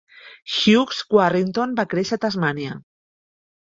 Hughes-Warrington va créixer a Tasmània.